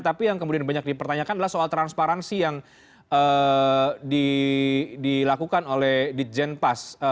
tapi yang kemudian banyak dipertanyakan adalah soal transparansi yang dilakukan oleh ditjenpas